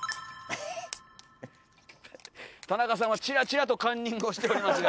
田中さんはちらちらとカンニングをしておりますが。